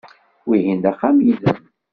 Wihin d axxam-nnem.